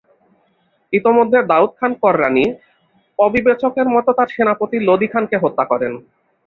ইতোমধ্যে দাউদ খান কররানী অবিবেচকের মতো তাঁর সেনাপতি লোদী খানকে হত্যা করেন।